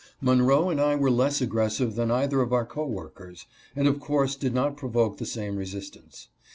^#""Monroe and I were less aggressive than either of our co workers, and of course did not provoke the same resistance.